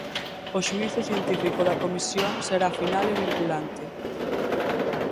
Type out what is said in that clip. O xuízo científico da Comisión será final e vinculante.